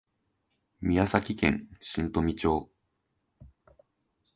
宮崎県新富町